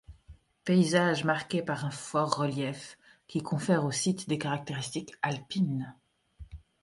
Paysage marqué par un fort relief qui confère au site des caractéristiques alpines.